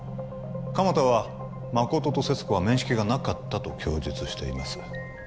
鎌田は誠と勢津子は面識がなかったと供述しています